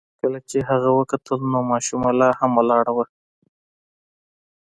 کله چې هغه وکتل نو ماشومه لا هم ولاړه وه.